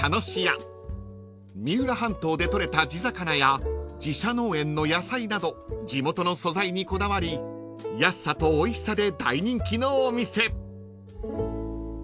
［三浦半島で取れた地魚や自社農園の野菜など地元の素材にこだわり安さとおいしさで大人気のお店］